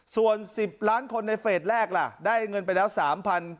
ส่วน๑๐ล้านคนในเฟสแรกล่ะได้เงินไปแล้ว๓๐๐บาท